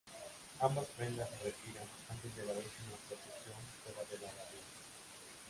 Ambas prendas se retiran antes de la última procesión fuera de la abadía.